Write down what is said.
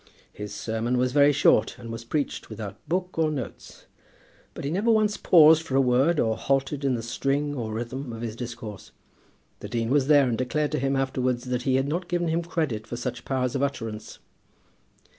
His sermon was very short, and was preached without book or notes, but he never once paused for a word or halted in the string or rhythm of his discourse. The dean was there and declared to him afterwards that he had not given him credit for such powers of utterance.